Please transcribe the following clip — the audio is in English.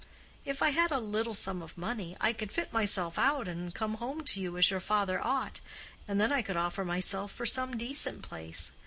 If I had a little sum of money, I could fit myself out and come home to you as your father ought, and then I could offer myself for some decent place.